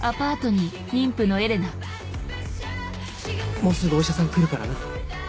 もうすぐお医者さん来るからな。